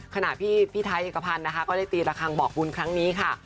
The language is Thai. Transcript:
ขณะที่พี่ไทยเอกพันธ์นะคะก็ได้ตีระคังบอกบุญครั้งนี้ค่ะ